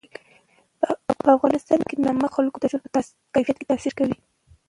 په افغانستان کې نمک د خلکو د ژوند په کیفیت تاثیر کوي.